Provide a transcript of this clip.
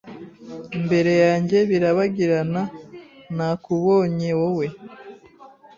Mbere yanjye birabagirana Nakubonye wowe